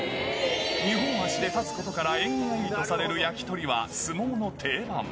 二本足で立つことから縁起がいいとされる焼き鳥は、相撲の定番。